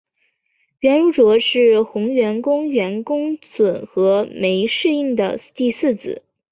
阮如琢是宏国公阮公笋和枚氏映的第四子。